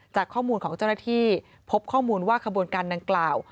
จากข้อมูลของเจ้าหน้าที่พบข้อมูลว่าขบวนการดังกล่าว